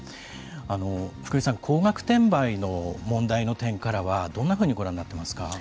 福井さん、高額転売の問題の点からはどんなふうにご覧になっていますか。